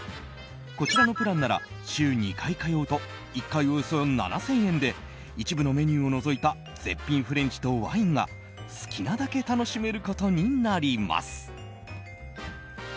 こちらのプランなら週２回通うと１回およそ７０００円で一部のメニューを除いた絶品フレンチとワインが好きなだけ楽しめることになります。